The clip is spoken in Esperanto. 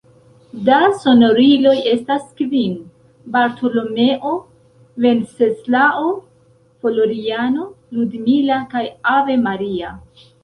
Da sonoriloj estas kvin: Bartolomeo, Venceslao, Floriano, Ludmila kaj Ave Maria.